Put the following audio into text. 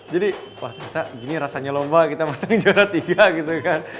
jadi wah ternyata gini rasanya lomba kita menang juara tiga gitu kan